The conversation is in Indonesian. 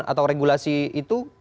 atau regulasi itu